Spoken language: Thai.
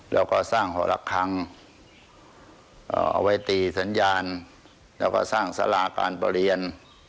แล้วก็สร้างหอละครั้งเอาไว้ตีสัญญาณแล้วก็สร้างสาราการประเรียน